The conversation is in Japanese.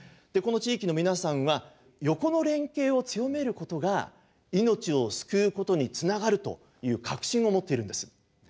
でこの地域の皆さんは横の連携を強めることが命を救うことにつながるという確信を持っているんです。